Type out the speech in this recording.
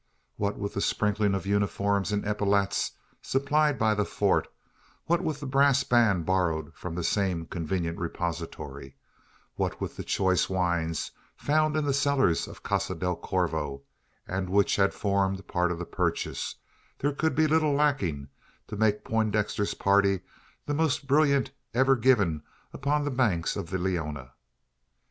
What with the sprinkling of uniforms and epaulettes, supplied by the Fort what with the brass band borrowed from the same convenient repository what with the choice wines found in the cellars of Casa del Corvo, and which had formed part of the purchase there could be little lacking to make Poindexter's party the most brilliant ever given upon the banks of the Leona.